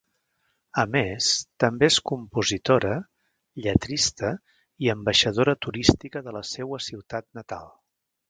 A més, també és compositora, lletrista i ambaixadora turística de la seua ciutat natal.